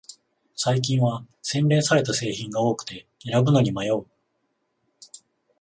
最近は洗練された製品が多くて選ぶのに迷う